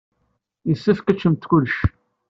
Yessefk ad teččemt kullec!